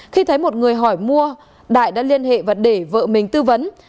khi thấy một người hỏi mua đại đã liên hệ và để vợ mình tư vấn